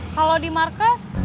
kalau di markas